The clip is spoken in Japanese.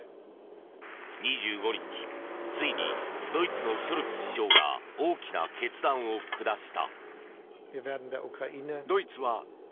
２５日、ついにドイツのショルツ首相が大きな決断を下した。